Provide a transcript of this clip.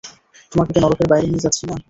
তোমাকে কি নরকের বাইরে নিয়ে যাচ্ছি না।